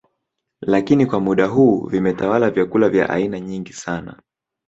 Lakini kwa muda huu vimetawala vyakula vya aina nyingi sana